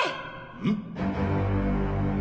うん？